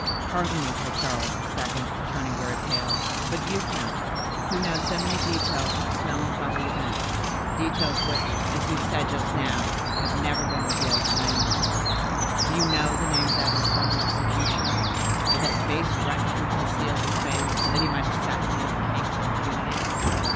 "Pardon me," said Charles II., turning very pale, "but you, count, who know so many details of this melancholy event,—details which, as you said just now, have never been revealed to any one,—do you know the name of that infernal executioner, of that base wretch who concealed his face that he might assassinate a king with impunity?"